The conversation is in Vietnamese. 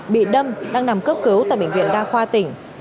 bị đâm đang nằm cấp cứu tại bệnh viện đa khoa tỉnh